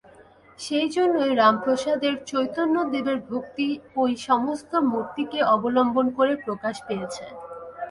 সেইজন্যই রামপ্রসাদের, চৈতন্যদেবের ভক্তি এই-সমস্ত মূর্তিকে অবলম্বন করে প্রকাশ পেয়েছে।